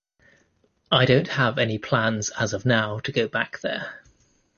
I don't have any plans as of now to go back there.